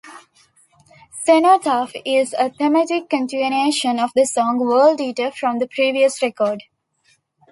"Cenotaph" is a thematic continuation of the song "World Eater" from the previous record.